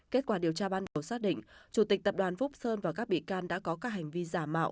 kết quả điều tra ban đầu xác định chủ tịch tập đoàn phúc sơn và các bị can đã có các hành vi giả mạo